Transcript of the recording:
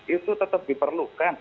itu tetap diperlukan